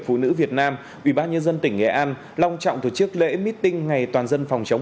phụ nữ việt nam ubnd tỉnh nghệ an long trọng tổ chức lễ meeting ngày toàn dân phòng chống